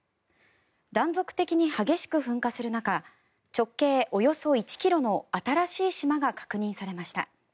断続的に激しく噴火する中直径およそ１ｋｍの新しい島が確認されました。